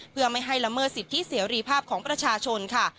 เพื่อไม่ให้ละเมิดสิทธิเสรีภาพของประชาชนค่ะ